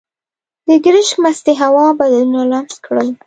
د ګرشک مستې هوا بدنونه لمس کړل.